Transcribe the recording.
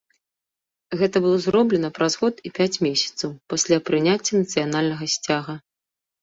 Гэта было зроблена праз год і пяць месяцаў пасля прыняцця нацыянальнага сцяга.